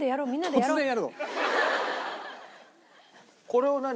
これを何？